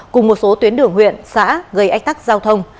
cùng một số tuyến đường huyện xã gây ách tắc giao thông